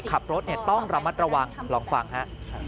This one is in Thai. ขับรถต้องระมัดระวังลองฟังฮะ